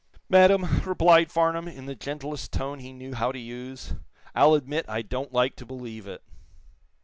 "Madame," replied Farnum, in the gentlest tone he knew how to use, "I'll admit I don't like to believe it."